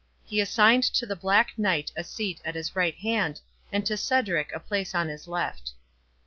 He assigned to the Black Knight a seat at his right hand, and to Cedric a place upon his left.